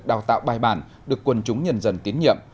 đào tạo bài bản được quân chúng nhân dân tiến nhiệm